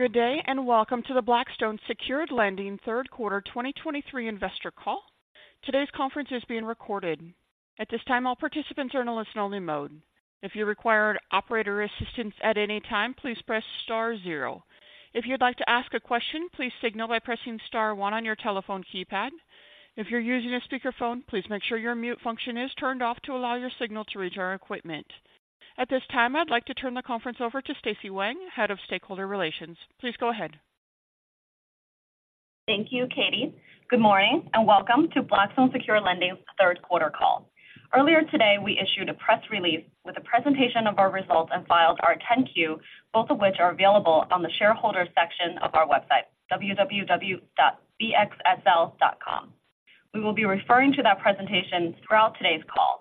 Good day, and welcome to the Blackstone Secured Lending Third Quarter 2023 Investor Call. Today's conference is being recorded. At this time, all participants are in a listen-only mode. If you require operator assistance at any time, please press star zero. If you'd like to ask a question, please signal by pressing star one on your telephone keypad. If you're using a speakerphone, please make sure your mute function is turned off to allow your signal to reach our equipment. At this time, I'd like to turn the conference over to Stacy Wang, Head of Stakeholder Relations. Please go ahead. Thank you, Katie. Good morning, and welcome to Blackstone Secured Lending's third quarter call. Earlier today, we issued a press release with a presentation of our results and filed our 10-Q, both of which are available on the Shareholders section of our website, www.bxsl.com. We will be referring to that presentation throughout today's call.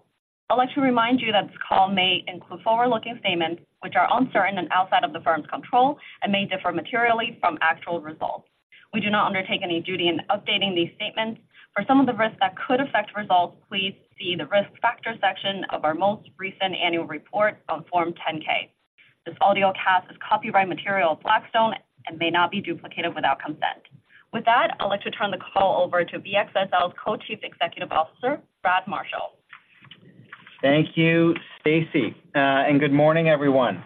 I'd like to remind you that this call may include forward-looking statements which are uncertain and outside of the firm's control and may differ materially from actual results. We do not undertake any duty in updating these statements. For some of the risks that could affect results, please see the Risk Factors section of our most recent annual report on Form 10-K. This audio cast is copyright material of Blackstone and may not be duplicated without consent. With that, I'd like to turn the call over to BXSL's Co-Chief Executive Officer, Brad Marshall. Thank you, Stacy, and good morning, everyone.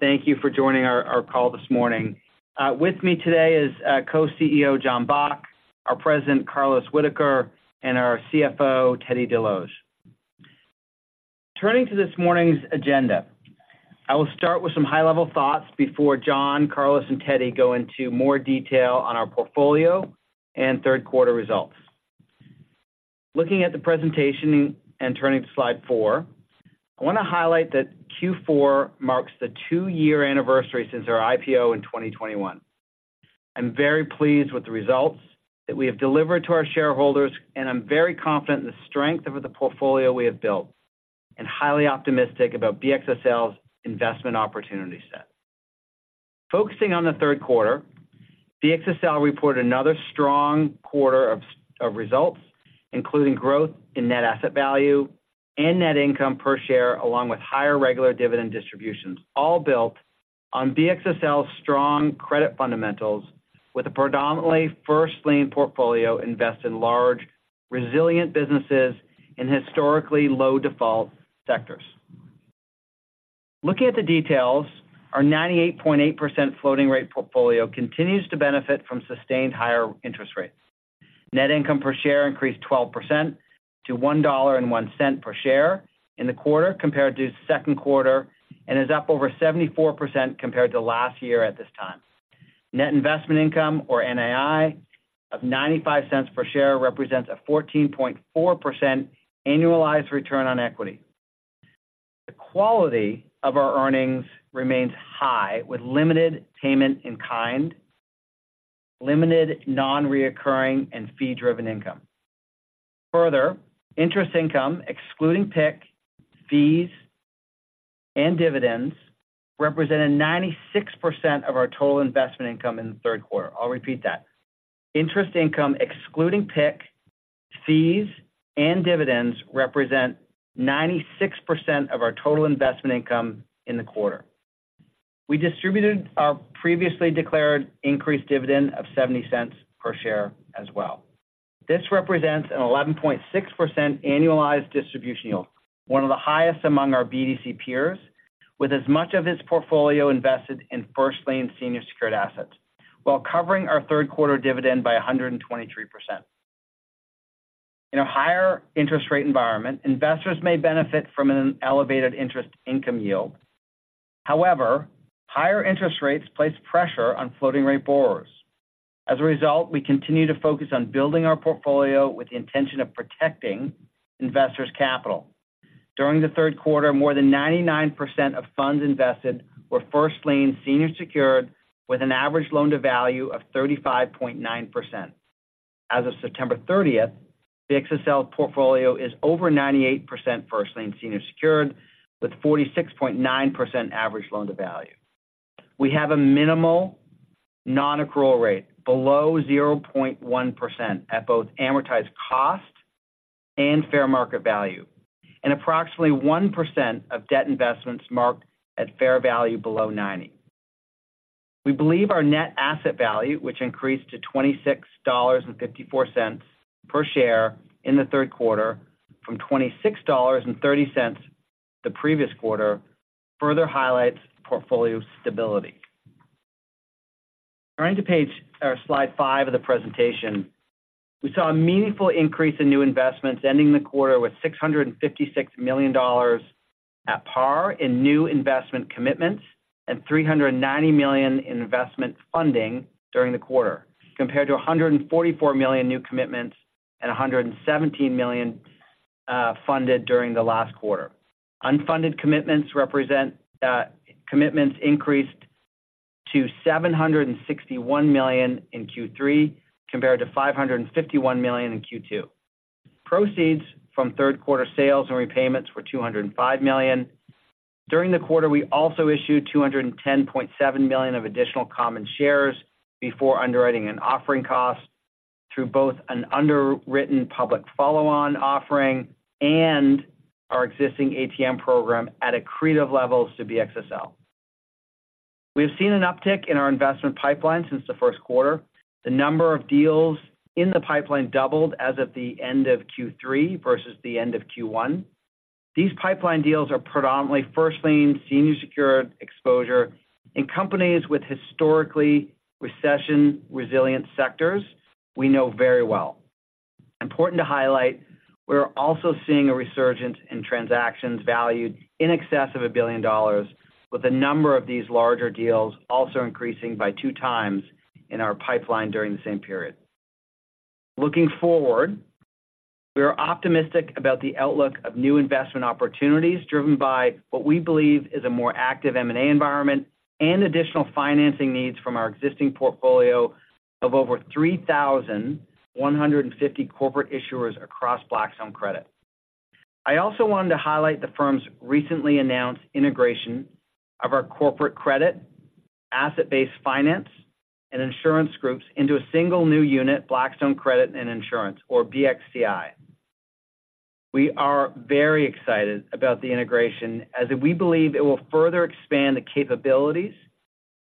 Thank you for joining our call this morning. With me today is Co-CEO Jonathan Bock, our President, Carlos Whitaker, and our CFO, Teddy Desloge. Turning to this morning's agenda, I will start with some high-level thoughts before Jonathan, Carlos, and Teddy go into more detail on our portfolio and third quarter results. Looking at the presentation and turning to slide four, I wanna highlight that Q4 marks the two-year anniversary since our IPO in 2021. I'm very pleased with the results that we have delivered to our shareholders, and I'm very confident in the strength of the portfolio we have built and highly optimistic about BXSL's investment opportunity set. Focusing on the third quarter, BXSL reported another strong quarter of results, including growth in net asset value and net income per share, along with higher regular dividend distributions, all built on BXSL's strong credit fundamentals with a predominantly first lien portfolio invested in large, resilient businesses in historically low default sectors. Looking at the details, our 98.8% floating rate portfolio continues to benefit from sustained higher interest rates. Net income per share increased 12% to $1.01 per share in the quarter, compared to the second quarter, and is up over 74% compared to last year at this time. Net investment income, or NII, of $0.95 per share, represents a 14.4% annualized return on equity. The quality of our earnings remains high, with limited payment in kind, limited non-recurring and fee-driven income. Further, interest income excluding PIK, fees, and dividends represented 96% of our total investment income in the third quarter. I'll repeat that. Interest income, excluding PIK, fees, and dividends, represent 96% of our total investment income in the quarter. We distributed our previously declared increased dividend of $0.70 per share as well. This represents an 11.6% annualized distribution yield, one of the highest among our BDC peers, with as much of its portfolio invested in first lien senior secured assets, while covering our third quarter dividend by 123%. In a higher interest rate environment, investors may benefit from an elevated interest income yield. However, higher interest rates place pressure on floating rate borrowers. As a result, we continue to focus on building our portfolio with the intention of protecting investors' capital. During the third quarter, more than 99% of funds invested were first lien senior secured, with an average loan-to-value of 35.9%. As of September 30, BXSL portfolio is over 98% first lien senior secured, with 46.9% average loan-to-value. We have a minimal non-accrual rate below 0.1% at both amortized cost and fair market value, and approximately 1% of debt investments marked at fair value below ninety. We believe our net asset value, which increased to $26.54 per share in the third quarter from $26.30 the previous quarter, further highlights the portfolio's stability. Turning to page... Slide five of the presentation, we saw a meaningful increase in new investments, ending the quarter with $656 million at par in new investment commitments and $390 million in investment funding during the quarter, compared to $144 million new commitments and $117 million funded during the last quarter. Unfunded commitments represent, commitments increased to $761 million in Q3, compared to $551 million in Q2. Proceeds from third quarter sales and repayments were $205 million. During the quarter, we also issued $210.7 million of additional common shares before underwriting and offering costs through both an underwritten public follow-on offering and our existing ATM program at accretive levels to BXSL. We've seen an uptick in our investment pipeline since the first quarter. The number of deals in the pipeline doubled as of the end of Q3 versus the end of Q1. These pipeline deals are predominantly first-lien senior secured exposure in companies with historically recession-resilient sectors we know very well. Important to highlight, we're also seeing a resurgence in transactions valued in excess of $1 billion, with a number of these larger deals also increasing by 2x in our pipeline during the same period. Looking forward, we are optimistic about the outlook of new investment opportunities, driven by what we believe is a more active M&A environment and additional financing needs from our existing portfolio of over 3,150 corporate issuers across Blackstone Credit. I also wanted to highlight the firm's recently announced integration of our corporate credit, asset-based finance, and insurance groups into a single new unit, Blackstone Credit and Insurance, or BXCI. We are very excited about the integration, as we believe it will further expand the capabilities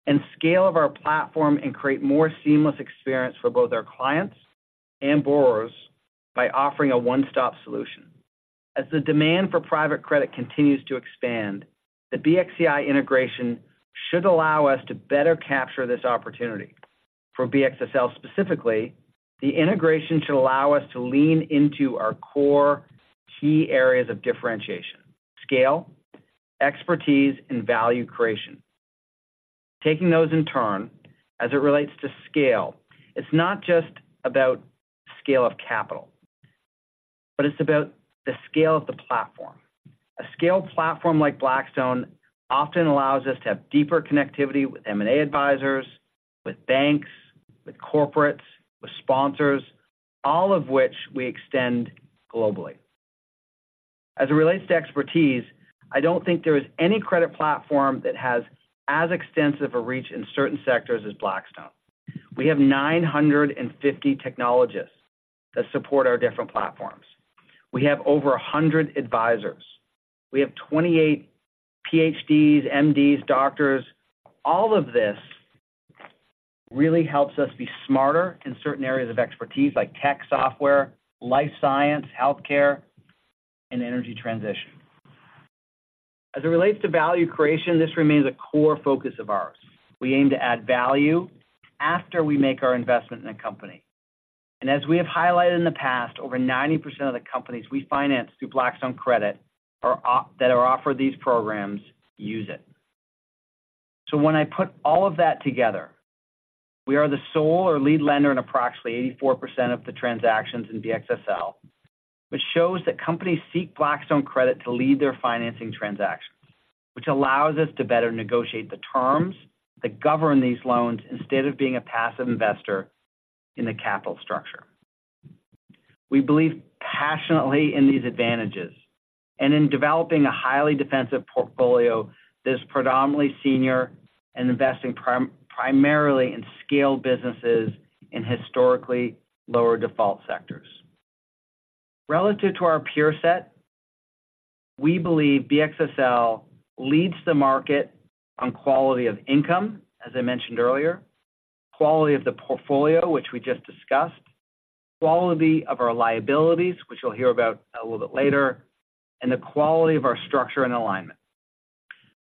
and scale of our platform and create more seamless experience for both our clients and borrowers by offering a one-stop solution. As the demand for private credit continues to expand, the BXCI integration should allow us to better capture this opportunity. For BXSL specifically, the integration should allow us to lean into our core key areas of differentiation, scale, expertise, and value creation. Taking those in turn, as it relates to scale, it's not just about scale of capital, but it's about the scale of the platform. A scaled platform like Blackstone often allows us to have deeper connectivity with M&A advisors, with banks, with corporates, with sponsors, all of which we extend globally. As it relates to expertise, I don't think there is any credit platform that has as extensive a reach in certain sectors as Blackstone. We have 950 technologists that support our different platforms. We have over 100 advisors. We have 28 PhDs, MDs, doctors. All of this really helps us be smarter in certain areas of expertise like tech software, life science, healthcare, and energy transition. As it relates to value creation, this remains a core focus of ours. We aim to add value after we make our investment in a company. And as we have highlighted in the past, over 90% of the companies we finance through Blackstone Credit that are offered these programs use it. So when I put all of that together, we are the sole or lead lender in approximately 84% of the transactions in BXSL, which shows that companies seek Blackstone Credit to lead their financing transactions, which allows us to better negotiate the terms that govern these loans instead of being a passive investor in the capital structure. We believe passionately in these advantages and in developing a highly defensive portfolio that is predominantly senior and investing primarily in scale businesses in historically lower default sectors. Relative to our peer set, we believe BXSL leads the market on quality of income, as I mentioned earlier, quality of the portfolio, which we just discussed, quality of our liabilities, which you'll hear about a little bit later, and the quality of our structure and alignment.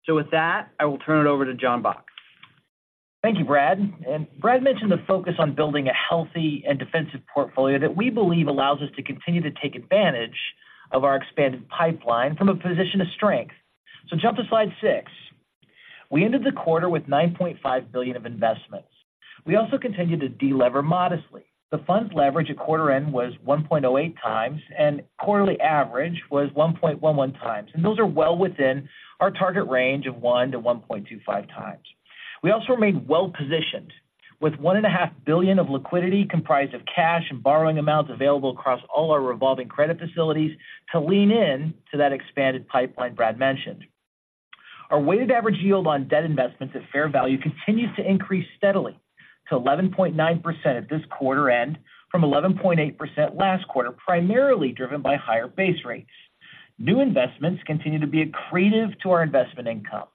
So with that, I will turn it over to Jonathan Bock. Thank you, Brad. Brad mentioned the focus on building a healthy and defensive portfolio that we believe allows us to continue to take advantage of our expanded pipeline from a position of strength. Jump to slide six. We ended the quarter with $9.5 billion of investments. We also continued to delever modestly. The fund's leverage at quarter end was 1.08x, and quarterly average was 1.11x, and those are well within our target range of 1x-1.25x. We also remained well-positioned, with $1.5 billion of liquidity, comprised of cash and borrowing amounts available across all our revolving credit facilities, to lean in to that expanded pipeline Brad mentioned. Our weighted average yield on debt investments at fair value continues to increase steadily to 11.9% at this quarter end, from 11.8% last quarter, primarily driven by higher base rates. New investments continue to be accretive to our investment income.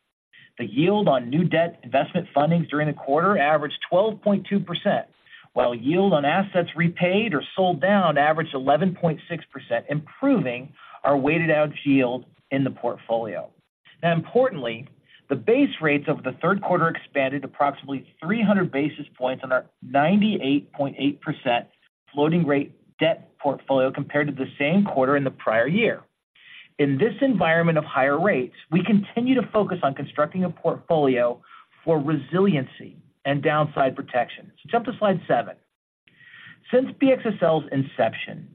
The yield on new debt investment fundings during the quarter averaged 12.2%, while yield on assets repaid or sold down averaged 11.6%, improving our weighted average yield in the portfolio. Now, importantly, the base rates over the third quarter expanded approximately 300 basis points on our 98.8% floating rate debt portfolio compared to the same quarter in the prior year. In this environment of higher rates, we continue to focus on constructing a portfolio for resiliency and downside protection. So jump to slide seven. Since BXSL's inception,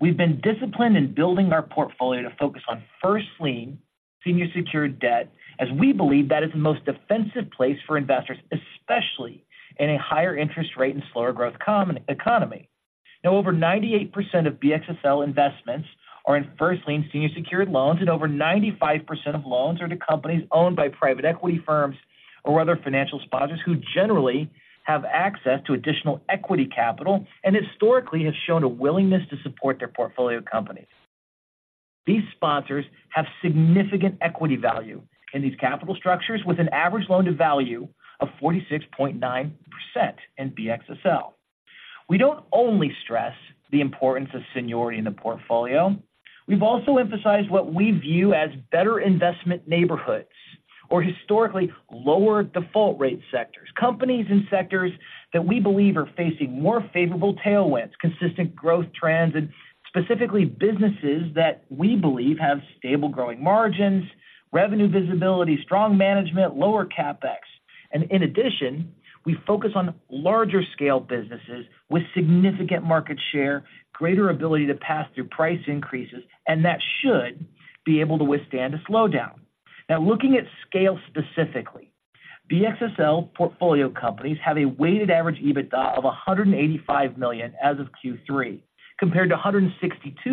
we've been disciplined in building our portfolio to focus on first-lien senior secured debt, as we believe that is the most defensive place for investors, especially in a higher interest rate and slower growth economy. Now, over 98% of BXSL investments are in first-lien senior secured loans, and over 95% of loans are to companies owned by private equity firms or other financial sponsors who generally have access to additional equity capital and historically have shown a willingness to support their portfolio companies. These sponsors have significant equity value in these capital structures, with an average loan-to-value of 46.9% in BXSL. We don't only stress the importance of seniority in the portfolio, we've also emphasized what we view as better investment neighborhoods or historically lower default rate sectors. Companies and sectors that we believe are facing more favorable tailwinds, consistent growth trends, and specifically businesses that we believe have stable growing margins, revenue visibility, strong management, lower CapEx. In addition, we focus on larger scale businesses with significant market share, greater ability to pass through price increases, and that should be able to withstand a slowdown. Now, looking at scale specifically, BXSL portfolio companies have a weighted average EBITDA of $185 million as of Q3, compared to $162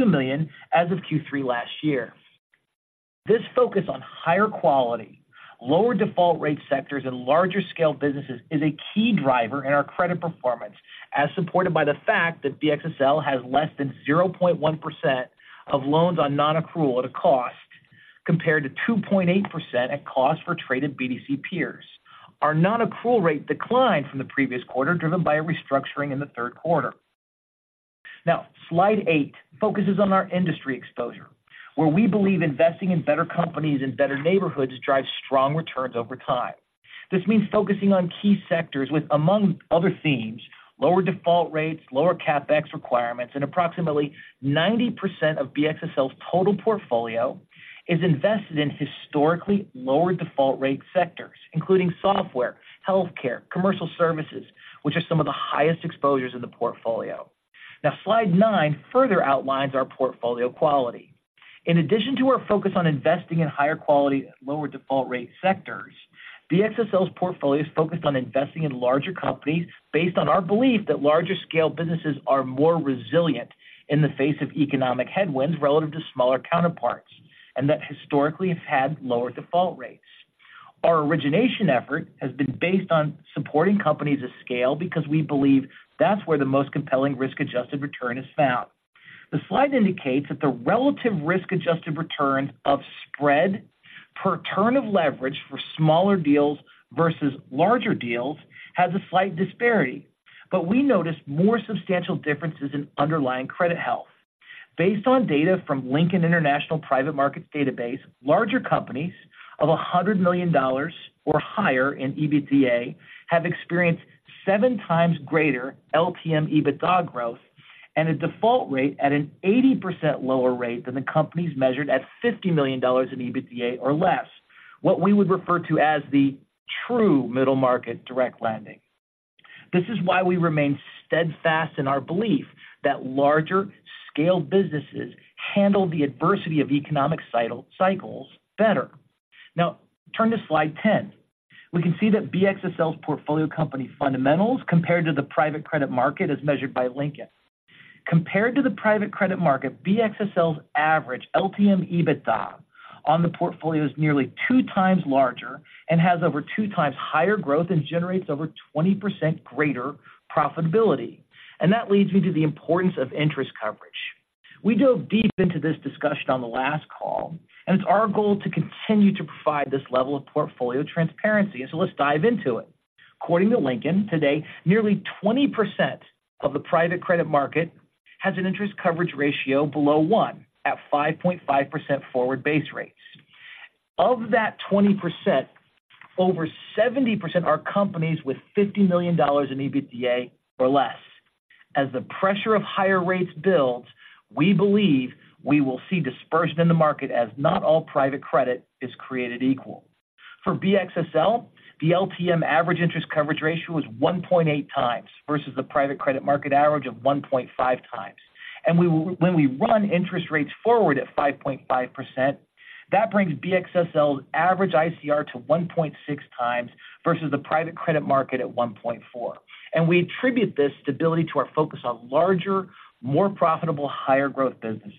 million as of Q3 last year. This focus on higher quality, lower default rate sectors and larger scale businesses is a key driver in our credit performance, as supported by the fact that BXSL has less than 0.1% of loans on nonaccrual at a cost, compared to 2.8% at cost for traded BDC peers. Our nonaccrual rate declined from the previous quarter, driven by a restructuring in the third quarter. Now, slide eight focuses on our industry exposure, where we believe investing in better companies and better neighborhoods drives strong returns over time. This means focusing on key sectors with, among other themes, lower default rates, lower CapEx requirements, and approximately 90% of BXSL's total portfolio is invested in historically lower default rate sectors, including software, healthcare, commercial services, which are some of the highest exposures in the portfolio. Now, slide nine further outlines our portfolio quality. In addition to our focus on investing in higher quality and lower default rate sectors, BXSL's portfolio is focused on investing in larger companies based on our belief that larger scale businesses are more resilient in the face of economic headwinds relative to smaller counterparts, and that historically have had lower default rates. Our origination effort has been based on supporting companies of scale because we believe that's where the most compelling risk-adjusted return is found. The slide indicates that the relative risk-adjusted return of spread per turn of leverage for smaller deals versus larger deals has a slight disparity, but we notice more substantial differences in underlying credit health. Based on data from Lincoln International Private Markets database, larger companies of $100 million or higher in EBITDA have experienced 7x greater LTM EBITDA growth and a default rate at an 80% lower rate than the companies measured at $50 million in EBITDA or less. What we would refer to as the true middle market direct lending. This is why we remain steadfast in our belief that larger scaled businesses handle the adversity of economic cycles better. Now, turn to slide 10. We can see that BXSL's portfolio company fundamentals, compared to the private credit market, as measured by Lincoln. Compared to the private credit market, BXSL's average LTM EBITDA on the portfolio is nearly 2x larger and has over 2x higher growth and generates over 20% greater profitability. That leads me to the importance of interest coverage. We dove deep into this discussion on the last call, and it's our goal to continue to provide this level of portfolio transparency, so let's dive into it. According to Lincoln, today, nearly 20% of the private credit market has an interest coverage ratio below one, at 5.5% forward base rates. Of that 20%, over 70% are companies with $50 million in EBITDA or less. As the pressure of higher rates builds, we believe we will see dispersion in the market as not all private credit is created equal. For BXSL, the LTM average interest coverage ratio is 1.8x versus the private credit market average of 1.5x. And when we run interest rates forward at 5.5%, that brings BXSL's average ICR to 1.6x versus the private credit market at 1.4x. And we attribute this stability to our focus on larger, more profitable, higher growth businesses.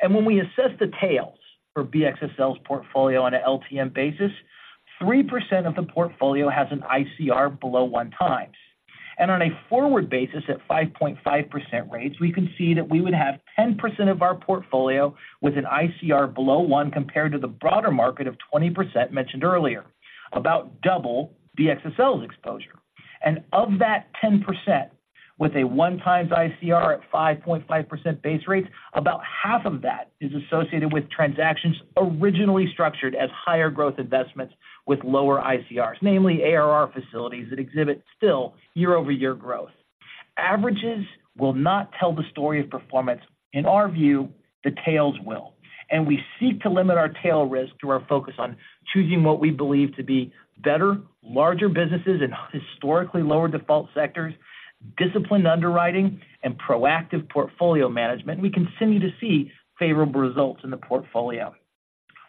And when we assess the tails for BXSL's portfolio on an LTM basis, 3% of the portfolio has an ICR below 1x. On a forward basis, at 5.5% rates, we can see that we would have 10% of our portfolio with an ICR below one, compared to the broader market of 20% mentioned earlier, about double BXSL's exposure. Of that 10%, with a 1x ICR at 5.5% base rates, about half of that is associated with transactions originally structured as higher growth investments with lower ICRs, namely ARR facilities that exhibit still year-over-year growth. Averages will not tell the story of performance. In our view, the tails will, and we seek to limit our tail risk through our focus on choosing what we believe to be better, larger businesses in historically lower default sectors, disciplined underwriting and proactive portfolio management. We continue to see favorable results in the portfolio.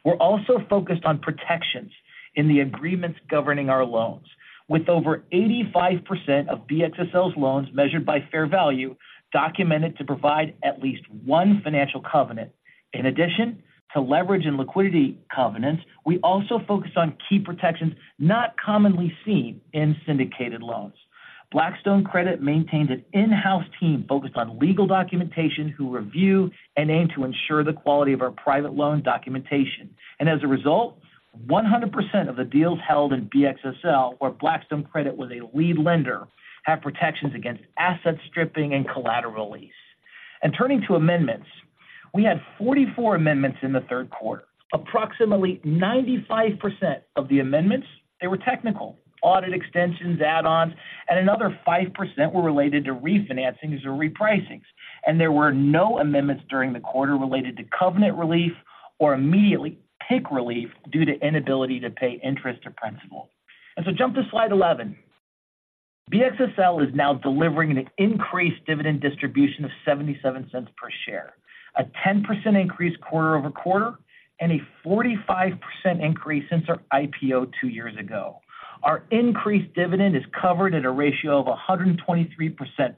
We're also focused on protections in the agreements governing our loans. With over 85% of BXSL's loans measured by fair value, documented to provide at least one financial covenant. In addition to leverage and liquidity covenants, we also focus on key protections not commonly seen in syndicated loans.... Blackstone Credit maintains an in-house team focused on legal documentation, who review and aim to ensure the quality of our private loan documentation. And as a result, 100% of the deals held in BXSL, where Blackstone Credit was a lead lender, have protections against asset stripping and collateral release. And turning to amendments, we had 44 amendments in the third quarter. Approximately 95% of the amendments, they were technical, audit extensions, add-ons, and another 5% were related to refinancings or repricings. And there were no amendments during the quarter related to covenant relief or immediately PIK relief due to inability to pay interest or principal. And so jump to slide 11. BXSL is now delivering an increased dividend distribution of $0.77 per share, a 10% increase quarter-over-quarter, and a 45% increase since our IPO two years ago. Our increased dividend is covered at a ratio of 123%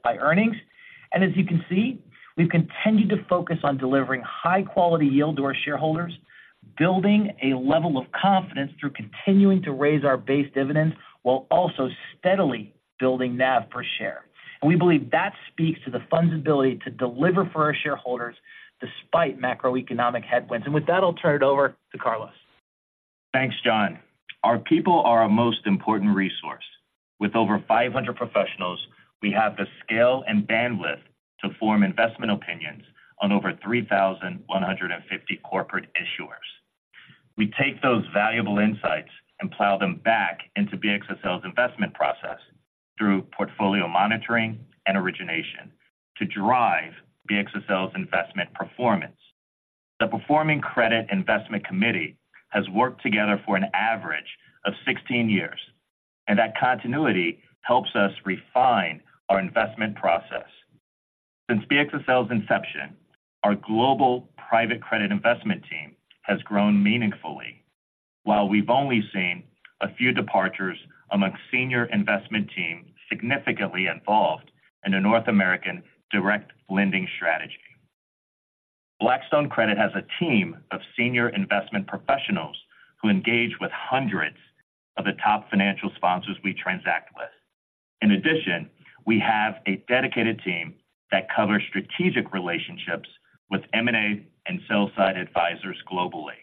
by earnings, and as you can see, we've continued to focus on delivering high-quality yield to our shareholders, building a level of confidence through continuing to raise our base dividends while also steadily building NAV per share. And we believe that speaks to the fund's ability to deliver for our shareholders despite macroeconomic headwinds. And with that, I'll turn it over to Carlos. Thanks, John. Our people are our most important resource. With over 500 professionals, we have the scale and bandwidth to form investment opinions on over 3,150 corporate issuers. We take those valuable insights and plow them back into BXSL's investment process through portfolio monitoring and origination to drive BXSL's investment performance. The Performing Credit Investment Committee has worked together for an average of 16 years, and that continuity helps us refine our investment process. Since BXSL's inception, our global private credit investment team has grown meaningfully, while we've only seen a few departures among senior investment team significantly involved in the North American direct lending strategy. Blackstone Credit has a team of senior investment professionals who engage with hundreds of the top financial sponsors we transact with. In addition, we have a dedicated team that covers strategic relationships with M&A and sell-side advisors globally,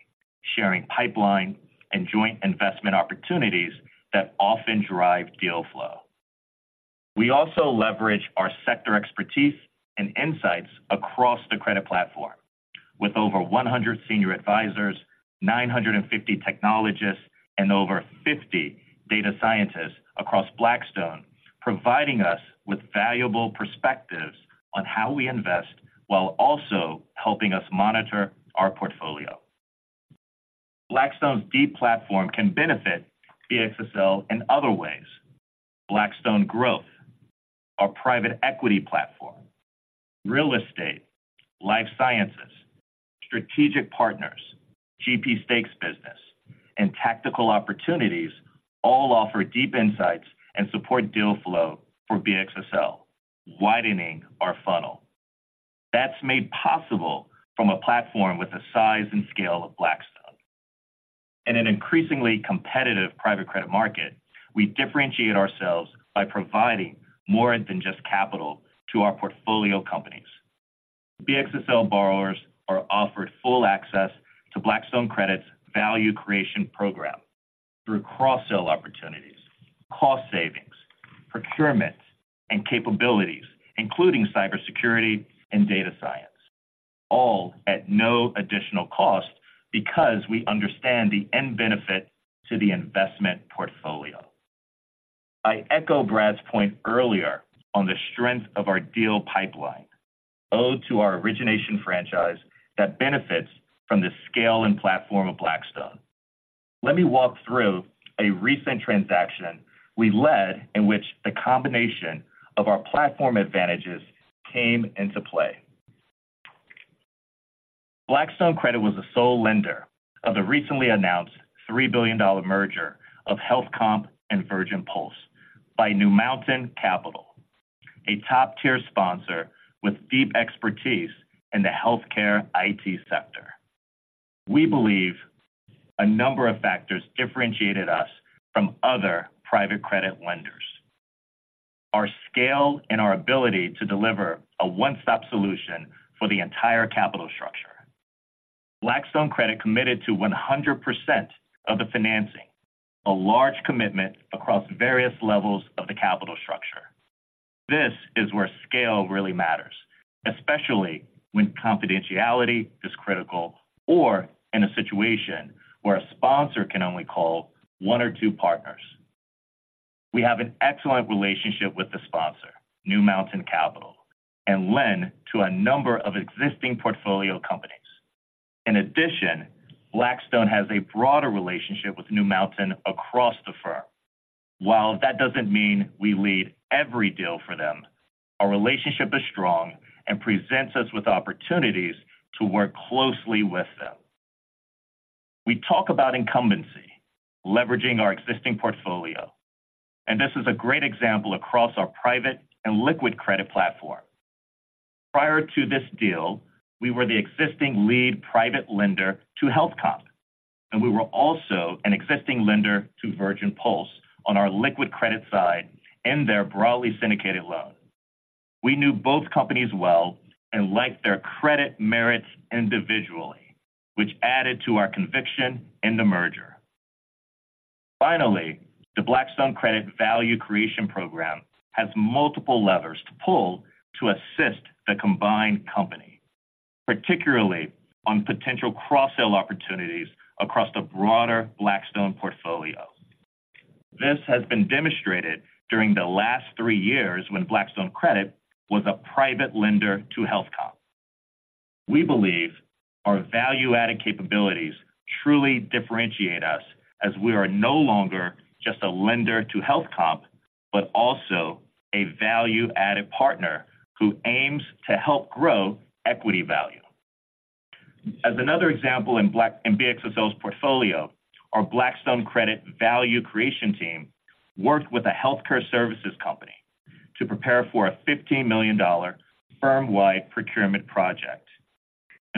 sharing pipeline and joint investment opportunities that often drive deal flow. We also leverage our sector expertise and insights across the credit platform with over 100 senior advisors, 950 technologists, and over 50 data scientists across Blackstone, providing us with valuable perspectives on how we invest while also helping us monitor our portfolio. Blackstone's deep platform can benefit BXSL in other ways. Blackstone Growth, our private equity platform, real estate, life sciences, Strategic Partners, GP stakes business, and Tactical Opportunities all offer deep insights and support deal flow for BXSL, widening our funnel. That's made possible from a platform with the size and scale of Blackstone. In an increasingly competitive private credit market, we differentiate ourselves by providing more than just capital to our portfolio companies. BXSL borrowers are offered full access to Blackstone Credit's value creation program through cross-sell opportunities, cost savings, procurements, and capabilities, including cybersecurity and data science, all at no additional cost because we understand the end benefit to the investment portfolio. I echo Brad's point earlier on the strength of our deal pipeline, due to our origination franchise that benefits from the scale and platform of Blackstone. Let me walk through a recent transaction we led in which the combination of our platform advantages came into play. Blackstone Credit was the sole lender of the recently announced $3 billion merger of HealthComp and Virgin Pulse by New Mountain Capital, a top-tier sponsor with deep expertise in the healthcare IT sector. We believe a number of factors differentiated us from other private credit lenders. Our scale and our ability to deliver a one-stop solution for the entire capital structure. Blackstone Credit committed to 100% of the financing, a large commitment across various levels of the capital structure. This is where scale really matters, especially when confidentiality is critical or in a situation where a sponsor can only call one or two partners. We have an excellent relationship with the sponsor, New Mountain Capital, and lend to a number of existing portfolio companies. In addition, Blackstone has a broader relationship with New Mountain across the firm. While that doesn't mean we lead every deal for them, our relationship is strong and presents us with opportunities to work closely with them. We talk about incumbency, leveraging our existing portfolio, and this is a great example across our private and liquid credit platform.... Prior to this deal, we were the existing lead private lender to HealthComp, and we were also an existing lender to Virgin Pulse on our liquid credit side in their broadly syndicated loan. We knew both companies well and liked their credit merits individually, which added to our conviction in the merger. Finally, the Blackstone Credit value creation program has multiple levers to pull to assist the combined company, particularly on potential cross-sell opportunities across the broader Blackstone portfolio. This has been demonstrated during the last three years when Blackstone Credit was a private lender to HealthComp. We believe our value-added capabilities truly differentiate us, as we are no longer just a lender to HealthComp, but also a value-added partner who aims to help grow equity value. As another example in BXSL's portfolio, our Blackstone Credit value creation team worked with a healthcare services company to prepare for a $15 million firm-wide procurement project.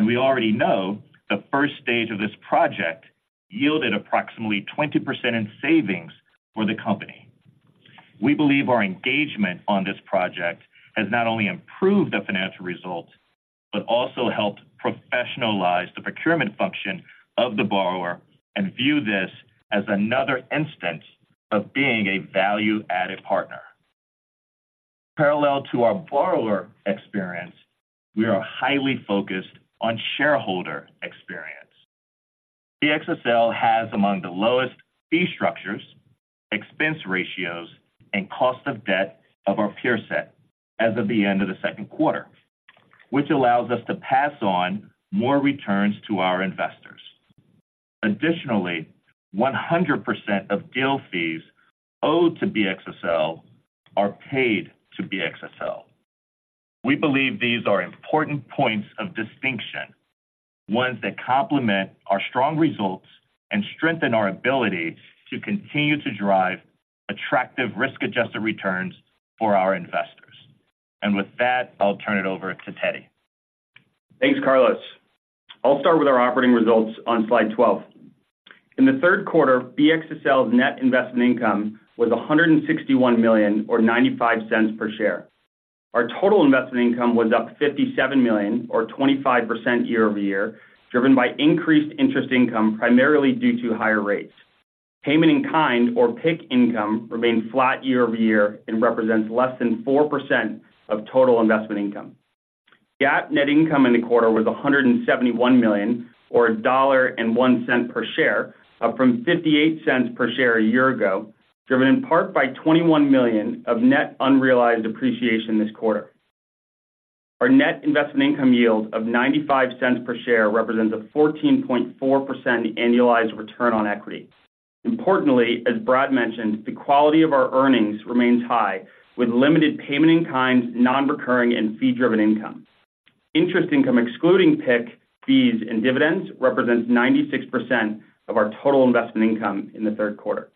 We already know the first stage of this project yielded approximately 20% in savings for the company. We believe our engagement on this project has not only improved the financial results, but also helped professionalize the procurement function of the borrower, and view this as another instance of being a value-added partner. Parallel to our borrower experience, we are highly focused on shareholder experience. BXSL has among the lowest fee structures, expense ratios, and cost of debt of our peer set as of the end of the second quarter, which allows us to pass on more returns to our investors. Additionally, 100% of deal fees owed to BXSL are paid to BXSL. We believe these are important points of distinction, ones that complement our strong results and strengthen our ability to continue to drive attractive risk-adjusted returns for our investors. With that, I'll turn it over to Teddy. Thanks, Carlos. I'll start with our operating results on slide 12. In the third quarter, BXSL's net investment income was $161 million or $0.95 per share. Our total investment income was up $57 million or 25% year over year, driven by increased interest income, primarily due to higher rates. Payment in kind or PIK income remained flat year over year and represents less than 4% of total investment income. GAAP net income in the quarter was $171 million, or $1.01 per share, up from $0.58 per share a year ago, driven in part by $21 million of net unrealized appreciation this quarter. Our net investment income yield of $0.95 per share represents a 14.4% annualized return on equity. Importantly, as Brad mentioned, the quality of our earnings remains high, with limited payment-in-kind, non-recurring, and fee-driven income. Interest income excluding PIK, fees, and dividends, represents 96% of our total investment income in the third quarter.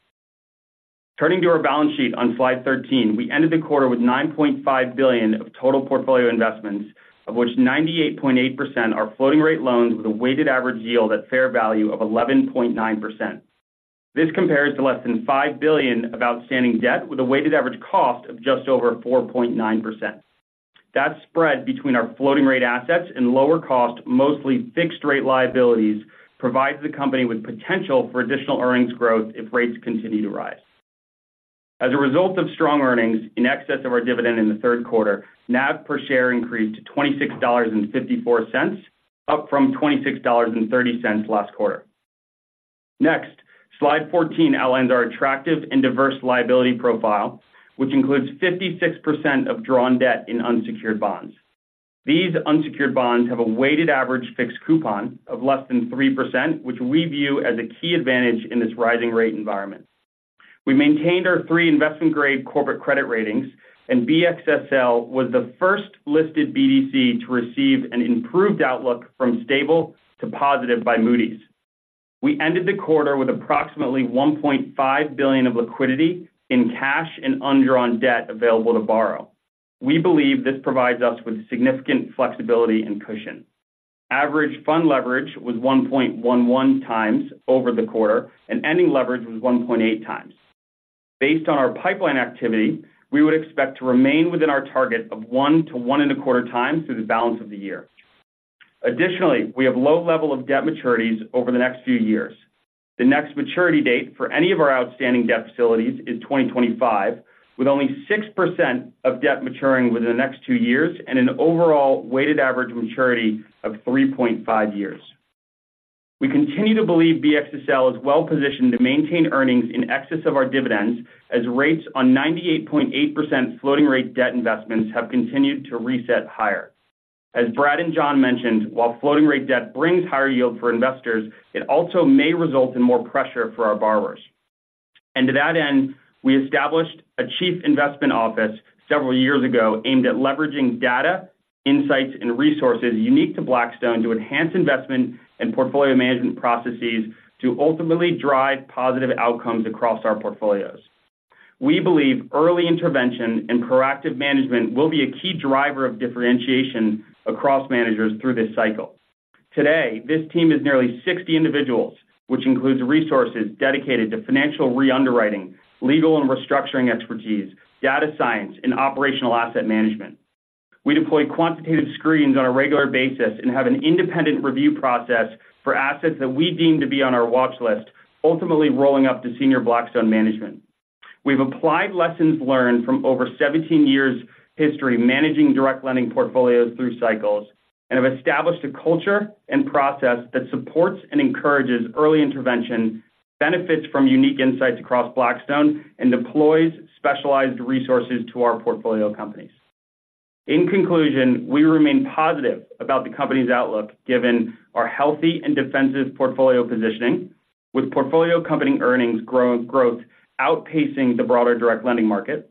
Turning to our balance sheet on slide 13, we ended the quarter with $9.5 billion of total portfolio investments, of which 98.8% are floating rate loans with a weighted average yield at fair value of 11.9%. This compares to less than $5 billion of outstanding debt, with a weighted average cost of just over 4.9%. That spread between our floating rate assets and lower cost, mostly fixed rate liabilities, provides the company with potential for additional earnings growth if rates continue to rise. As a result of strong earnings in excess of our dividend in the third quarter, NAV per share increased to $26.54, up from $26.30 last quarter. Next, slide 14 outlines our attractive and diverse liability profile, which includes 56% of drawn debt in unsecured bonds. These unsecured bonds have a weighted average fixed coupon of less than 3%, which we view as a key advantage in this rising rate environment. We maintained our three investment-grade corporate credit ratings, and BXSL was the first listed BDC to receive an improved outlook from stable to positive by Moody's. We ended the quarter with approximately $1.5 billion of liquidity in cash and undrawn debt available to borrow. We believe this provides us with significant flexibility and cushion. Average fund leverage was 1.11x over the quarter, and ending leverage was 1.8x. Based on our pipeline activity, we would expect to remain within our target of 1x-1.25x through the balance of the year. Additionally, we have low level of debt maturities over the next few years. The next maturity date for any of our outstanding debt facilities is 2025, with only 6% of debt maturing within the next two years and an overall weighted average maturity of 3.5 years. We continue to believe BXSL is well positioned to maintain earnings in excess of our dividends, as rates on 98.8% floating rate debt investments have continued to reset higher. As Brad and John mentioned, while floating rate debt brings higher yield for investors, it also may result in more pressure for our borrowers. To that end, we established a chief investment office several years ago aimed at leveraging data, insights, and resources unique to Blackstone to enhance investment and portfolio management processes to ultimately drive positive outcomes across our portfolios. We believe early intervention and proactive management will be a key driver of differentiation across managers through this cycle. Today, this team is nearly 60 individuals, which includes resources dedicated to financial re-underwriting, legal and restructuring expertise, data science, and operational asset management. We deploy quantitative screens on a regular basis and have an independent review process for assets that we deem to be on our watch list, ultimately rolling up to senior Blackstone management. We've applied lessons learned from over 17 years history, managing direct lending portfolios through cycles, and have established a culture and process that supports and encourages early intervention, benefits from unique insights across Blackstone, and deploys specialized resources to our portfolio companies. In conclusion, we remain positive about the company's outlook, given our healthy and defensive portfolio positioning, with portfolio company earnings growth outpacing the broader direct lending market,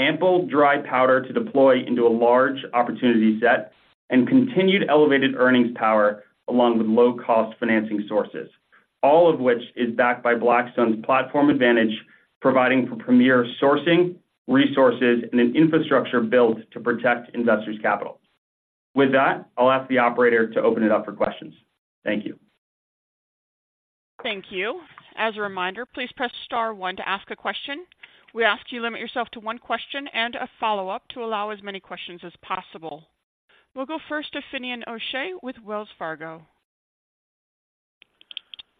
ample dry powder to deploy into a large opportunity set, and continued elevated earnings power, along with low-cost financing sources. All of which is backed by Blackstone's platform advantage, providing for premier sourcing, resources, and an infrastructure built to protect investors' capital. With that, I'll ask the operator to open it up for questions. Thank you. Thank you. As a reminder, please press star one to ask a question. We ask you limit yourself to one question and a follow-up to allow as many questions as possible. We'll go first to Finian O'Shea with Wells Fargo.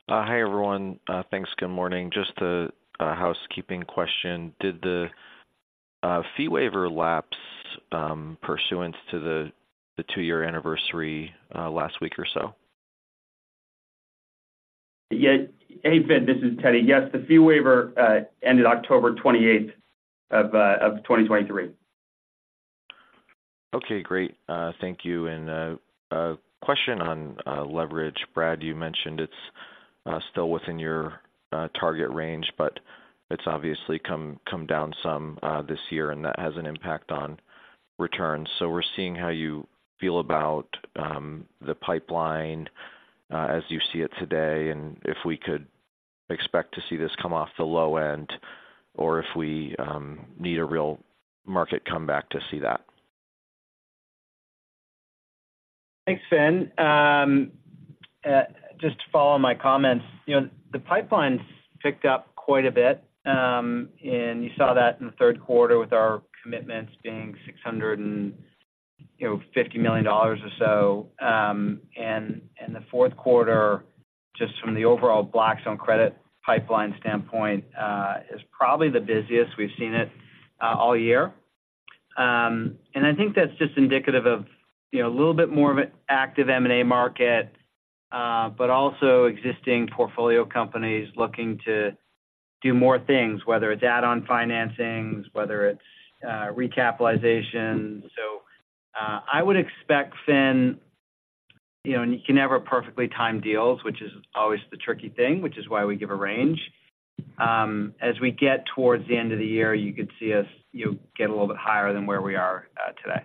Hi, everyone. Thanks. Good morning. Just a housekeeping question: Did the fee waiver lapse pursuant to the two-year anniversary last week or so? Yeah. Hey, Finn, this is Teddy. Yes, the fee waiver ended October 28th of 2023. Okay, great. Thank you. A question on leverage. Brad, you mentioned it's still within your target range, but it's obviously come down some this year, and that has an impact on returns. So we're seeing how you feel about the pipeline as you see it today, and if we could expect to see this come off the low end or if we need a real market comeback to see that. Thanks, Finn. Just to follow my comments, you know, the pipeline's picked up quite a bit, and you saw that in the third quarter with our commitments being $650 million or so. And the fourth quarter, just from the overall Blackstone Credit pipeline standpoint, is probably the busiest we've seen it, all year. And I think that's just indicative of, you know, a little bit more of an active M&A market, but also existing portfolio companies looking to do more things, whether it's add-on financings, whether it's, recapitalizations. So, I would expect, Finn, you know, and you can never perfectly time deals, which is always the tricky thing, which is why we give a range. As we get towards the end of the year, you could see us, you know, get a little bit higher than where we are today.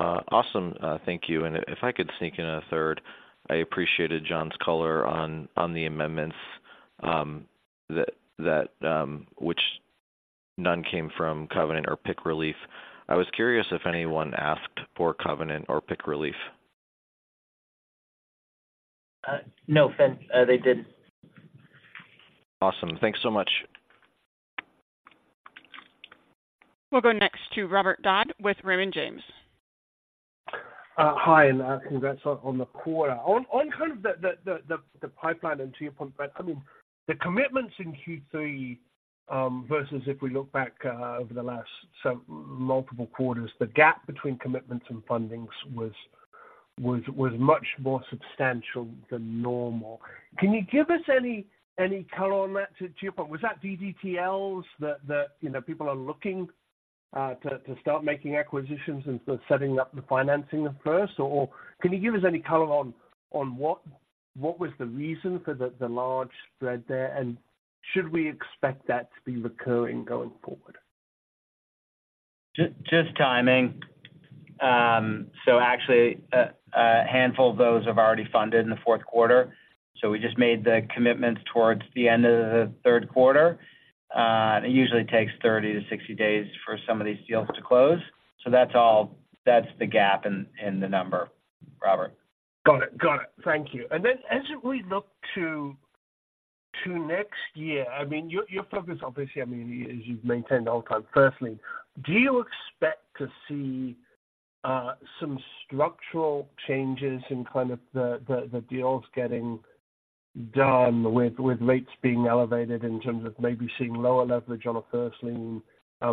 Awesome. Thank you. If I could sneak in a third, I appreciated John's color on the amendments, which none came from covenant or PIK relief. I was curious if anyone asked for covenant or PIK relief. No, Finn, they didn't. Awesome. Thanks so much. We'll go next to Robert Dodd with Raymond James. Hi, and congrats on the quarter. On kind of the pipeline and to your point, Brad, I mean, the commitments in Q3 versus if we look back over the last multiple quarters, the gap between commitments and fundings was much more substantial than normal. Can you give us any color on that, to your point? Was that DDTLs, you know, people are looking to start making acquisitions and so setting up the financing first? Or can you give us any color on what was the reason for the large spread there? And should we expect that to be recurring going forward? Just timing. So actually, a handful of those have already funded in the fourth quarter, so we just made the commitments towards the end of the third quarter. And it usually takes 30-60 days for some of these deals to close. So that's all, that's the gap in the number, Robert. Got it. Got it. Thank you. And then as we look to next year, I mean, your focus, obviously, I mean, as you've maintained all time, firstly, do you expect to see some structural changes in kind of the deals getting done with rates being elevated in terms of maybe seeing lower leverage on a first lien?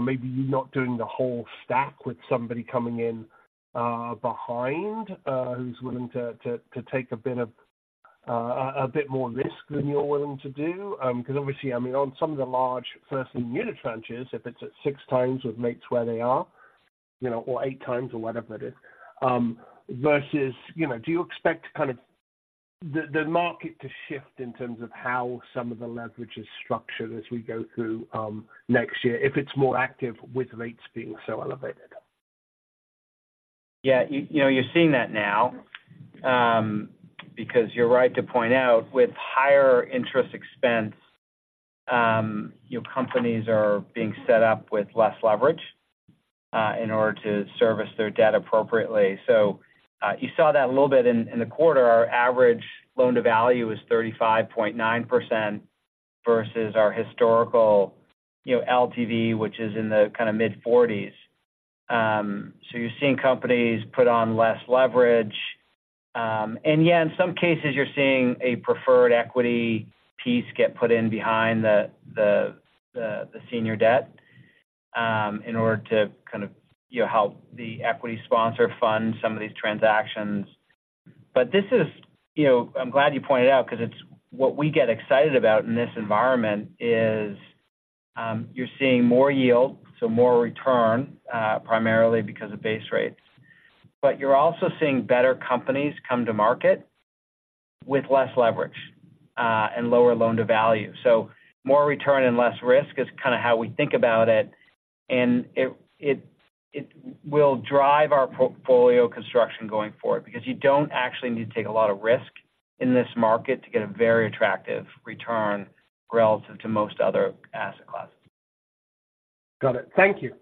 Maybe you not doing the whole stack with somebody coming in behind who's willing to take a bit of a bit more risk than you're willing to do? Because obviously, I mean, on some of the large first lien unitranches, if it's at 6x with multiples where they are, you know, or 8x or whatever it is, versus... You know, do you expect kind of the market to shift in terms of how some of the leverage is structured as we go through next year, if it's more active with rates being so elevated?... Yeah, you know, you're seeing that now, because you're right to point out, with higher interest expense, your companies are being set up with less leverage, in order to service their debt appropriately. So, you saw that a little bit in the quarter. Our average loan-to-value is 35.9% versus our historical, you know, LTV, which is in the kinda mid-40s. So you're seeing companies put on less leverage. And yeah, in some cases you're seeing a preferred equity piece get put in behind the senior debt, in order to kind of, you know, help the equity sponsor fund some of these transactions. But this is -- you know, I'm glad you pointed out, 'cause it's what we get excited about in this environment is, you're seeing more yield, so more return, primarily because of base rates. But you're also seeing better companies come to market with less leverage, and lower loan-to-value. So more return and less risk is kinda how we think about it, and it will drive our portfolio construction going forward, because you don't actually need to take a lot of risk in this market to get a very attractive return relative to most other asset classes. Got it. Thank you.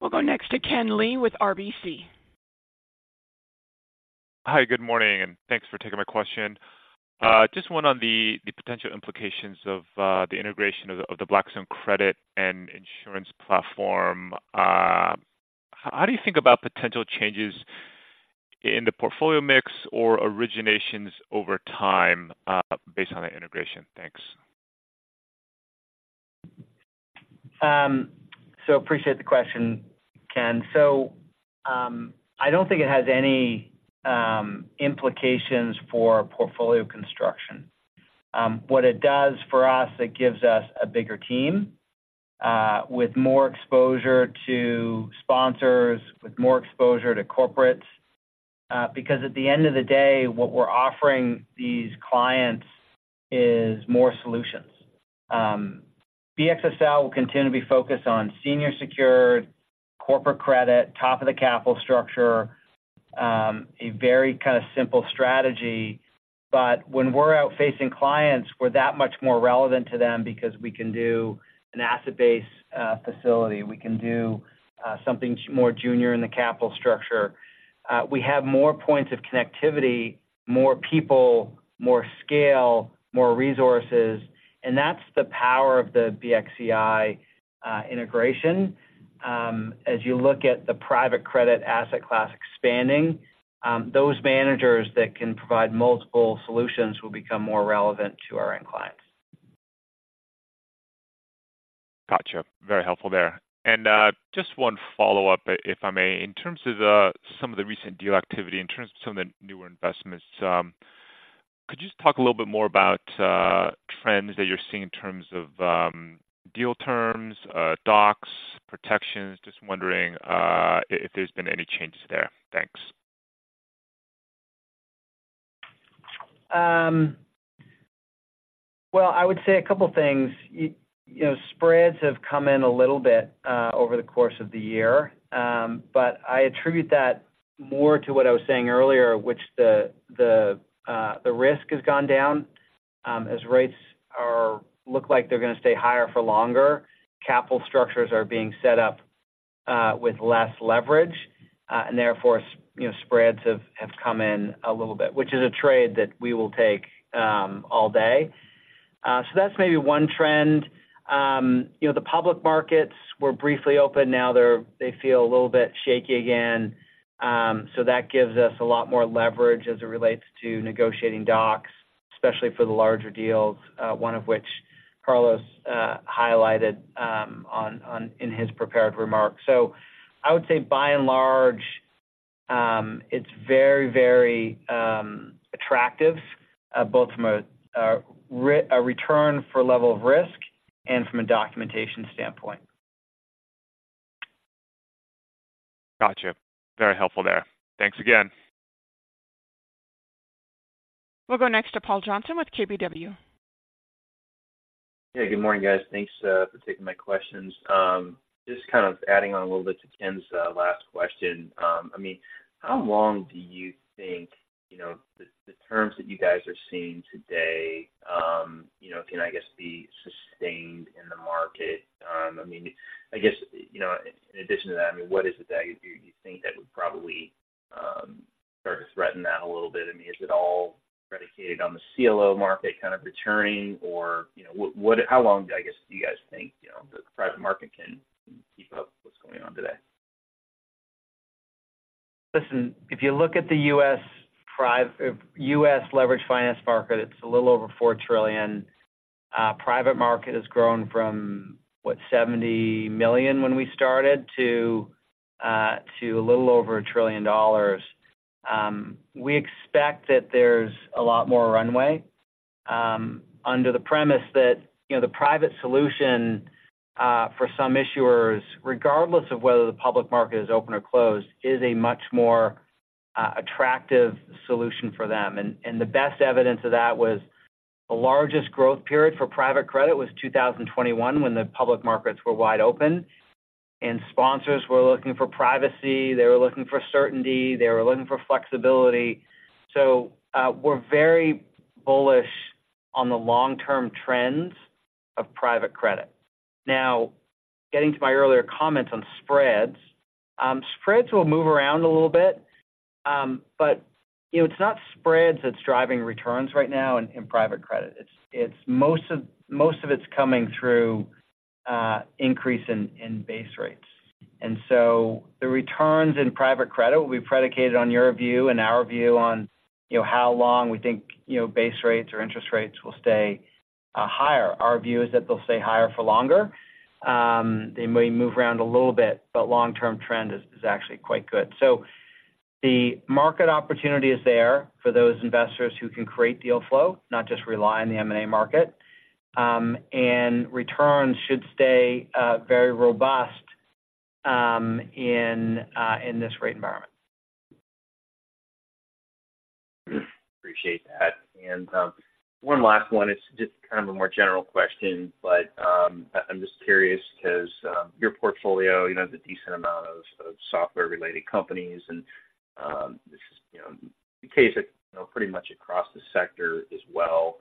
We'll go next to Ken Lee with RBC. Hi, good morning, and thanks for taking my question. Just one on the, the potential implications of, the integration of the, of the Blackstone Credit and Insurance platform. How do you think about potential changes in the portfolio mix or originations over time, based on the integration? Thanks. So appreciate the question, Ken. So, I don't think it has any implications for portfolio construction. What it does for us, it gives us a bigger team, with more exposure to sponsors, with more exposure to corporates. Because at the end of the day, what we're offering these clients is more solutions. BXSL will continue to be focused on senior secured corporate credit, top of the capital structure, a very kinda simple strategy. But when we're out facing clients, we're that much more relevant to them because we can do an asset-based, facility. We can do, something more junior in the capital structure. We have more points of connectivity, more people, more scale, more resources, and that's the power of the BXCI, integration. As you look at the private credit asset class expanding, those managers that can provide multiple solutions will become more relevant to our end clients. Gotcha. Very helpful there. Just one follow-up, if I may. In terms of the, some of the recent deal activity, in terms of some of the newer investments, could you just talk a little bit more about, trends that you're seeing in terms of, deal terms, docs, protections? Just wondering, if there's been any changes there. Thanks. Well, I would say a couple things. You know, spreads have come in a little bit over the course of the year. But I attribute that more to what I was saying earlier, which the risk has gone down. As rates look like they're going to stay higher for longer, capital structures are being set up with less leverage, and therefore, you know, spreads have come in a little bit, which is a trade that we will take all day. So that's maybe one trend. You know, the public markets were briefly open. Now they're they feel a little bit shaky again. So that gives us a lot more leverage as it relates to negotiating docs, especially for the larger deals, one of which Carlos highlighted, on in his prepared remarks. So I would say by and large, it's very, very attractive, both from a return for level of risk and from a documentation standpoint. Gotcha. Very helpful there. Thanks again. We'll go next to Paul Johnson with KBW. Hey, good morning, guys. Thanks for taking my questions. Just kind of adding on a little bit to Ken's last question. I mean, how long do you think, you know, the terms that you guys are seeing today, you know, can, I guess, be sustained in the market? I mean, I guess, you know, in addition to that, I mean, what is it that you think that would probably start to threaten that a little bit? I mean, is it all predicated on the CLO market kind of returning or, you know, what, what, how long do I guess, do you guys think, you know, the private market can keep up what's going on today? Listen, if you look at the U.S. leverage finance market, it's a little over $4 trillion. Private market has grown from, what, $70 million when we started to a little over $1 trillion. We expect that there's a lot more runway under the premise that, you know, the private solution for some issuers, regardless of whether the public market is open or closed, is a much more attractive solution for them. And the best evidence of that was the largest growth period for private credit was 2021, when the public markets were wide open, and sponsors were looking for privacy, they were looking for certainty, they were looking for flexibility. So, we're very bullish on the long-term trends of private credit. Now, getting to my earlier comments on spreads. Spreads will move around a little bit, but, you know, it's not spreads that's driving returns right now in private credit. It's most of it's coming through increase in base rates. And so the returns in private credit will be predicated on your view and our view on, you know, how long we think, you know, base rates or interest rates will stay higher. Our view is that they'll stay higher for longer. They may move around a little bit, but long-term trend is actually quite good. So the market opportunity is there for those investors who can create deal flow, not just rely on the M&A market. And returns should stay very robust in this rate environment. Appreciate that. And one last one. It's just kind of a more general question, but I'm just curious because your portfolio, you know, has a decent amount of software-related companies and this is, you know, the case, you know, pretty much across the sector as well.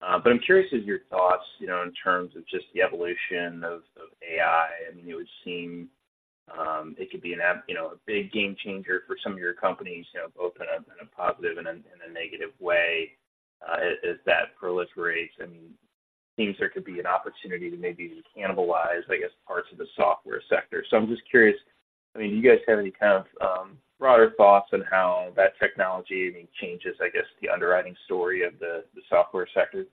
But I'm curious as your thoughts, you know, in terms of just the evolution of AI. I mean, it would seem it could be an app, you know, a big game changer for some of your companies, you know, both in a positive and in a negative way as that proliferates. I mean, seems there could be an opportunity to maybe cannibalize, I guess, parts of the software sector. I'm just curious, I mean, do you guys have any kind of broader thoughts on how that technology, I mean, changes, I guess, the underwriting story of the software sector?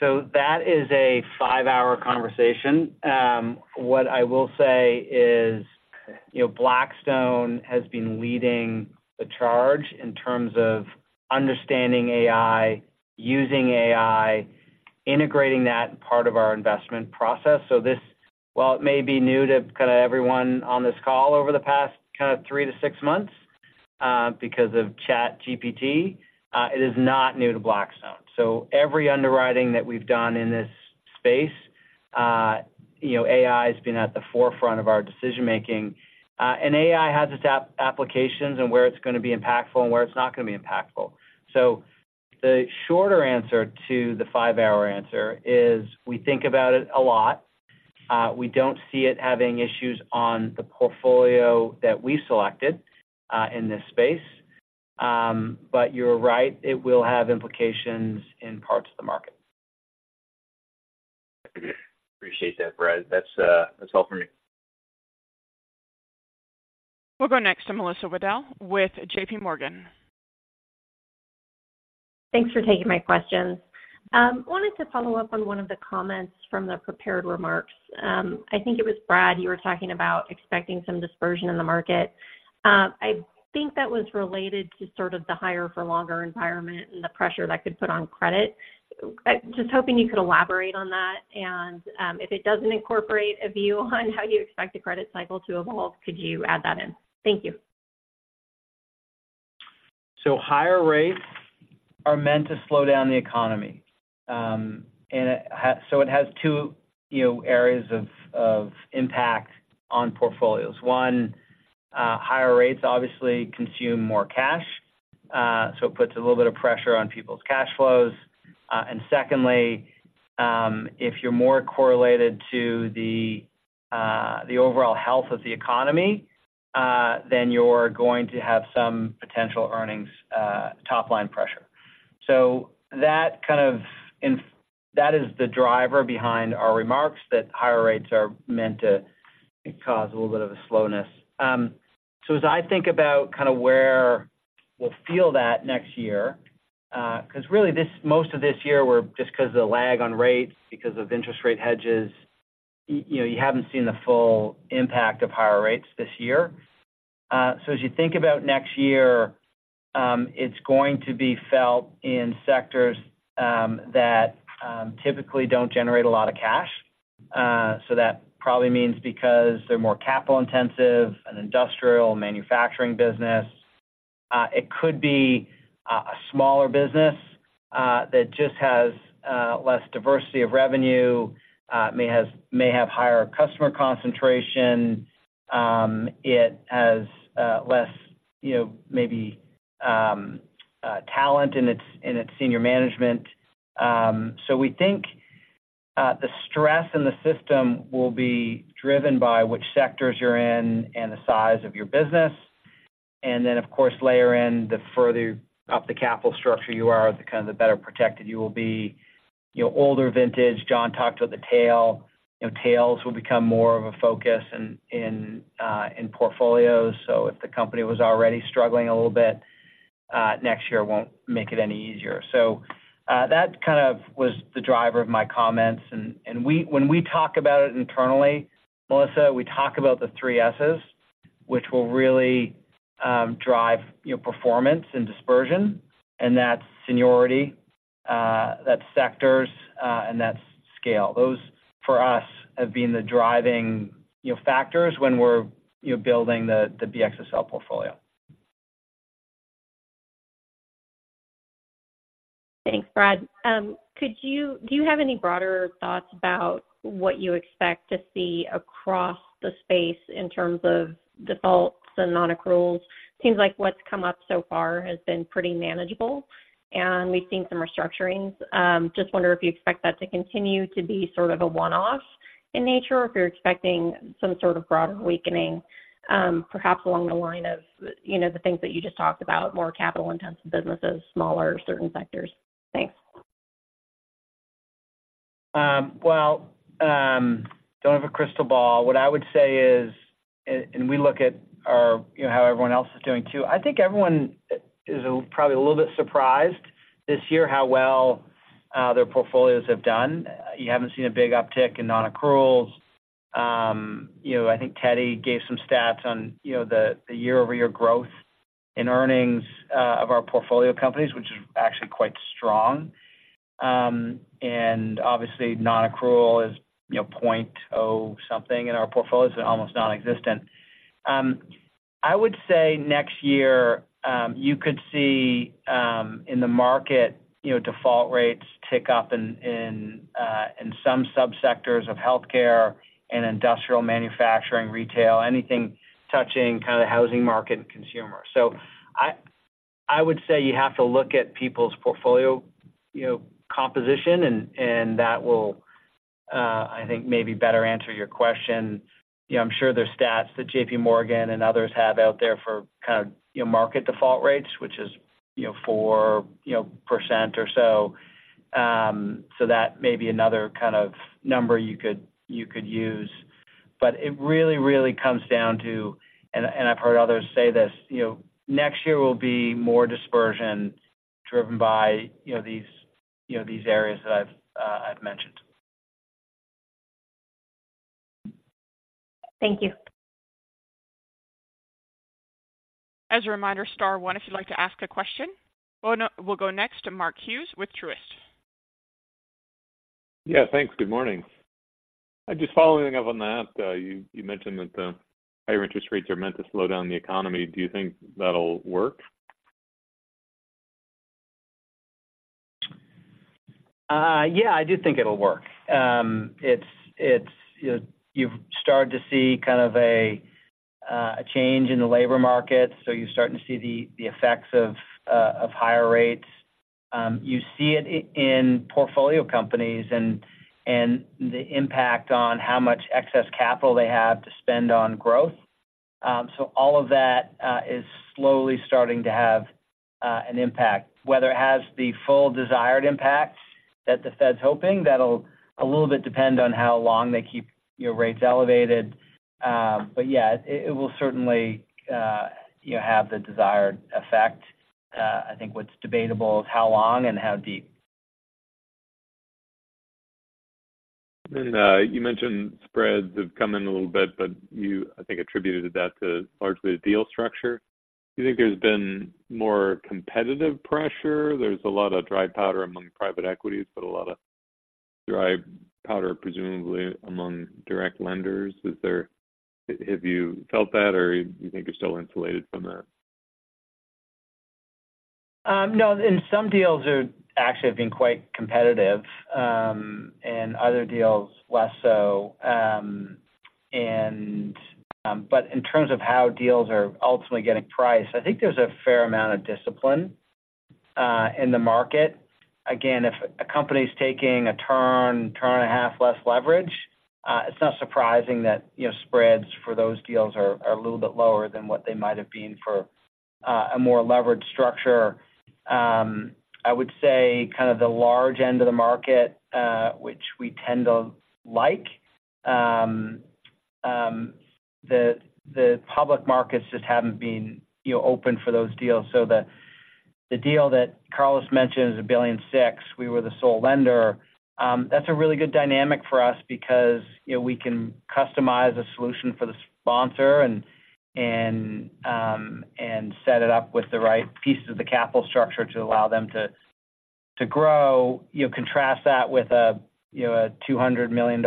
So that is a five-hour conversation. What I will say is, you know, Blackstone has been leading the charge in terms of understanding AI, using AI, integrating that part of our investment process. So this, while it may be new to kind of everyone on this call over the past kind of three-sic months, because of ChatGPT, it is not new to Blackstone. So every underwriting that we've done in this space, you know, AI has been at the forefront of our decision-making. And AI has its applications and where it's going to be impactful and where it's not going to be impactful. So the shorter answer to the five-hour answer is we think about it a lot. We don't see it having issues on the portfolio that we selected, in this space. But you're right, it will have implications in parts of the market. Appreciate that, Brad. That's, that's all for me. We'll go next to Melissa Wedel with JPMorgan. Thanks for taking my questions. Wanted to follow up on one of the comments from the prepared remarks. I think it was Brad, you were talking about expecting some dispersion in the market. I think that was related to sort of the higher for longer environment and the pressure that could put on credit. Just hoping you could elaborate on that, and, if it doesn't incorporate a view on how you expect the credit cycle to evolve, could you add that in? Thank you. So higher rates are meant to slow down the economy. And so it has two, you know, areas of impact on portfolios. One, higher rates obviously consume more cash, so it puts a little bit of pressure on people's cash flows. And secondly, if you're more correlated to the overall health of the economy, then you're going to have some potential earnings top-line pressure. So that kind of that is the driver behind our remarks, that higher rates are meant to cause a little bit of a slowness. So as I think about kind of where we'll feel that next year, 'cause really, most of this year we're just because of the lag on rates, because of interest rate hedges, you know, you haven't seen the full impact of higher rates this year. So as you think about next year, it's going to be felt in sectors that typically don't generate a lot of cash. So that probably means because they're more capital intensive, an industrial manufacturing business, it could be a smaller business that just has less diversity of revenue, may have higher customer concentration. It has less, you know, maybe talent in its senior management. So we think the stress in the system will be driven by which sectors you're in and the size of your business. And then, of course, layer in the further up the capital structure you are, the kind of better protected you will be. You know, older vintage, John talked about the tail. You know, tails will become more of a focus in portfolios. So if the company was already struggling a little bit, next year won't make it any easier. So, that kind of was the driver of my comments. And when we talk about it internally, Melissa, we talk about the three S's, which will really drive your performance and dispersion, and that's seniority... that's sectors, and that's scale. Those, for us, have been the driving, you know, factors when we're, you know, building the BXSL portfolio. Thanks, Brad. Could you do you have any broader thoughts about what you expect to see across the space in terms of defaults and nonaccruals? Seems like what's come up so far has been pretty manageable, and we've seen some restructurings. Just wonder if you expect that to continue to be sort of a one-off in nature, or if you're expecting some sort of broader weakening, perhaps along the line of, you know, the things that you just talked about, more capital-intensive businesses, smaller, certain sectors. Thanks. Well, don't have a crystal ball. What I would say is, and we look at our, you know, how everyone else is doing, too. I think everyone is probably a little bit surprised this year how well their portfolios have done. You haven't seen a big uptick in nonaccruals. You know, I think Teddy gave some stats on, you know, the year-over-year growth in earnings of our portfolio companies, which is actually quite strong. And obviously, nonaccrual is, you know, point zero something in our portfolios, so almost nonexistent. I would say next year, you could see in the market, you know, default rates tick up in some subsectors of healthcare and industrial manufacturing, retail, anything touching kind of the housing market and consumer. So I would say you have to look at people's portfolio, you know, composition, and that will, I think maybe better answer your question. You know, I'm sure there's stats that JPMorgan and others have out there for kind of, you know, market default rates, which is, you know, 4% or so. So that may be another kind of number you could use. But it really, really comes down to... and I've heard others say this, you know, next year will be more dispersion driven by, you know, these areas that I've mentioned. Thank you. As a reminder, star one, if you'd like to ask a question. Oh, no, we'll go next to Mark Hughes with Truist. Yeah, thanks. Good morning. Just following up on that, you mentioned that higher interest rates are meant to slow down the economy. Do you think that'll work? Yeah, I do think it'll work. It's, it's, you know, you've started to see kind of a change in the labor market, so you're starting to see the effects of higher rates. You see it in portfolio companies and the impact on how much excess capital they have to spend on growth. So all of that is slowly starting to have an impact. Whether it has the full desired impact that the Fed's hoping, that'll a little bit depend on how long they keep, you know, rates elevated. But yeah, it will certainly have the desired effect. I think what's debatable is how long and how deep. You mentioned spreads have come in a little bit, but you, I think, attributed that to largely a deal structure. Do you think there's been more competitive pressure? There's a lot of dry powder among private equities, but a lot of dry powder, presumably among direct lenders. Have you felt that, or you think you're still insulated from that? No, some deals have actually been quite competitive, and other deals, less so. But in terms of how deals are ultimately getting priced, I think there's a fair amount of discipline in the market. Again, if a company's taking a turn and a half less leverage, it's not surprising that, you know, spreads for those deals are a little bit lower than what they might have been for a more leveraged structure. I would say kind of the large end of the market, which we tend to like, the public markets just haven't been, you know, open for those deals. So the deal that Carlos mentioned is $1.006 billion. We were the sole lender. That's a really good dynamic for us because, you know, we can customize a solution for the sponsor and set it up with the right pieces of the capital structure to allow them to grow. You know, contrast that with a $200 million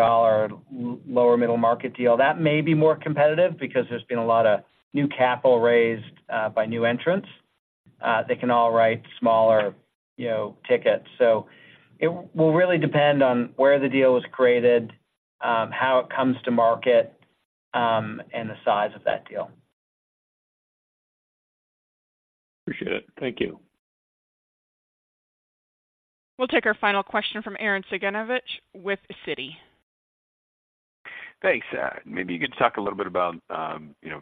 lower middle market deal. That may be more competitive because there's been a lot of new capital raised by new entrants. They can all write smaller, you know, tickets. So it will really depend on where the deal was created, how it comes to market, and the size of that deal. Appreciate it. Thank you. We'll take our final question from Arren Cyganovich with Citi. Thanks. Maybe you could talk a little bit about, you know,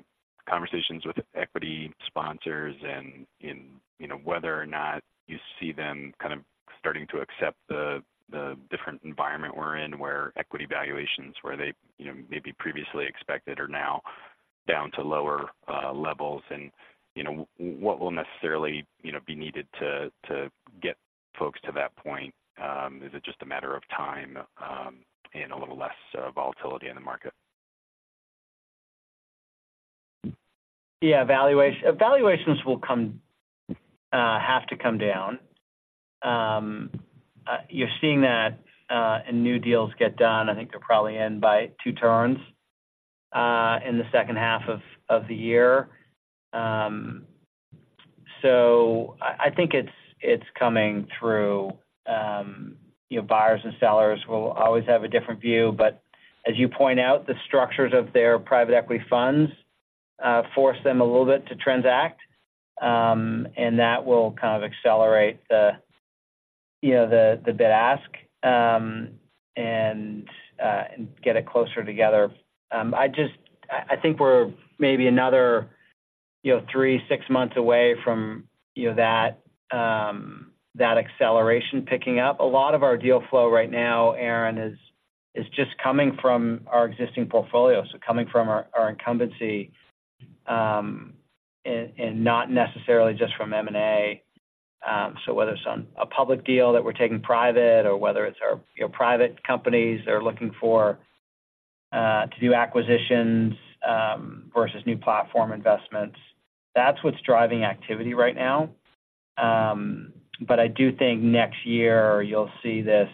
conversations with equity sponsors and, you know, whether or not you see them kind of starting to accept the different environment we're in, where equity valuations, where they, you know, maybe previously expected, are now down to lower levels. And, you know, what will necessarily, you know, be needed to get folks to that point? Is it just a matter of time and a little less volatility in the market?... Yeah, evaluations will come, have to come down. You're seeing that, in new deals get done. I think they're probably in by two turns, in the second half of the year. So I think it's coming through. You know, buyers and sellers will always have a different view, but as you point out, the structures of their private equity funds force them a little bit to transact. And that will kind of accelerate the, you know, the bid-ask, and get it closer together. I just—I think we're maybe another, you know, three-six months away from, you know, that acceleration picking up. A lot of our deal flow right now, Arren, is just coming from our existing portfolio, so coming from our incumbency, and not necessarily just from M&A. So whether it's on a public deal that we're taking private or whether it's our, you know, private companies that are looking for to do acquisitions, versus new platform investments, that's what's driving activity right now. But I do think next year you'll see this,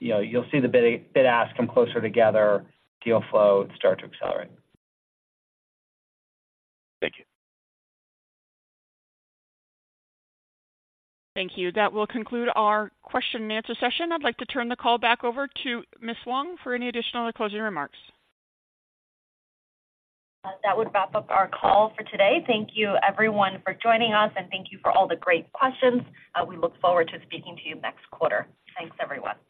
you know, you'll see the bid-ask come closer together, deal flow start to accelerate. Thank you. Thank you. That will conclude our question and answer session. I'd like to turn the call back over to Ms. Wang for any additional or closing remarks. That would wrap up our call for today. Thank you, everyone, for joining us, and thank you for all the great questions. We look forward to speaking to you next quarter. Thanks, everyone.